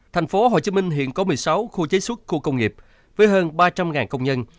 thành phố hồ chí minh hiện có một mươi sáu khu chế xuất khu công nghiệp với hơn ba trăm linh công nhân